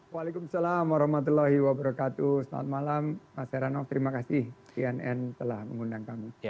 waalaikumsalam warahmatullahi wabarakatuh selamat malam mas heranov terima kasih cnn telah mengundang kami